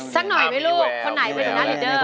สักหน่อยไหมลูกคนไหนเป็นหัวหน้าลิดเดอร์